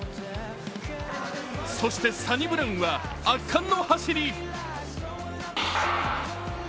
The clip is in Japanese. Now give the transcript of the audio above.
そして、サニブラウンは圧巻の走り。